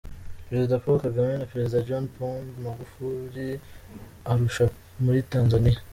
Perezida Paul Kagame na Perezida John Pombe Magufuli Arusha muri Tanzania